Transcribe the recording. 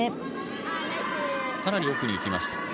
かなり奥に行きました。